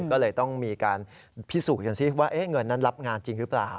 ก็เลยต้องมีการพิสูจน์กันสิว่าเงินนั้นรับงานจริงหรือเปล่า